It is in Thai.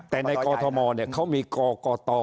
แต่ในกอทมเขามีกกต